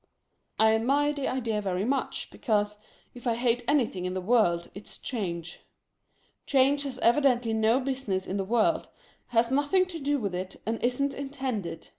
I admired the idea very much, because, if I hate any thing in the world, it's change. Change has evidently no business in the world, has nothing to do with it and isn't intended.